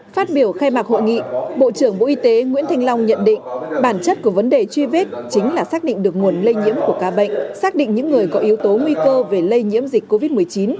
phát biểu khai mạc hội nghị bộ trưởng bộ y tế nguyễn thanh long nhận định bản chất của vấn đề truy vết chính là xác định được nguồn lây nhiễm của ca bệnh xác định những người có yếu tố nguy cơ về lây nhiễm dịch covid một mươi chín